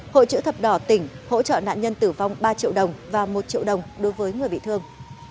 hội chữ thập đỏ tỉnh hỗ trợ nạn nhân tử vong ba triệu đồng và một triệu đồng đối với người bị thương